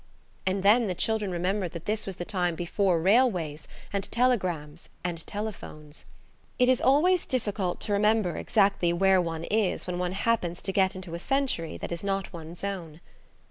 And then the children remembered that this was the time before railways and telegrams and telephones. It is always difficult to remember exactly where one is when one happens to get into a century that is not one's own.